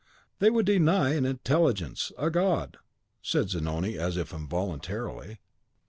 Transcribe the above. They would deny an intelligence, a God!" said Zanoni, as if involuntarily.